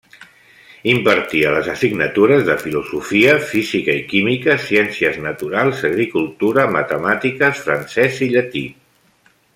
Impartia les assignatures de filosofia, física i química, ciències naturals, agricultura, matemàtiques, francès i llatí.